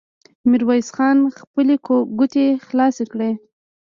ميرويس خان خپلې ګوتې خلاصې کړې.